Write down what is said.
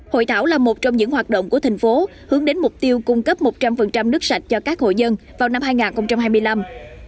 hội thảo là một trong những hoạt động của thành phố hướng đến mục tiêu cung cấp một trăm linh nước sạch cho các hội dân vào năm hai nghìn hai mươi năm